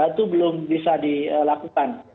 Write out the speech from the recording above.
itu belum bisa dilakukan